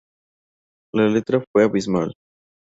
La letra fue abismal.